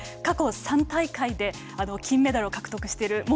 過去３大会で金メダルを獲得している